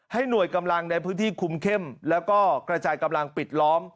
หน่วยกำลังในพื้นที่คุมเข้มแล้วก็กระจายกำลังปิดล้อม